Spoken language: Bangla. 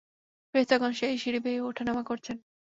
ফেরেশতাগণ সেই সিঁড়ি বেয়ে ওঠানামা করছেন।